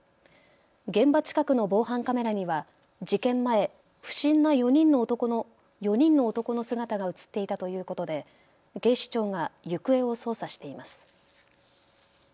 現場近くの防犯カメラには事件前、不審な４人の男の姿が写っていたということで警視庁が行方を捜査しています。